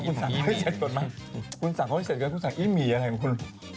คุณารอผิดซังข้อวิเศษไกล